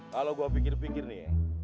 kalau gue pikir pikir nih ya